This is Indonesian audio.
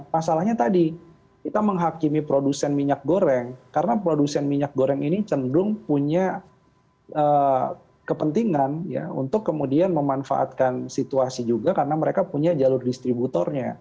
masalahnya tadi kita menghakimi produsen minyak goreng karena produsen minyak goreng ini cenderung punya kepentingan ya untuk kemudian memanfaatkan situasi juga karena mereka punya jalur distributornya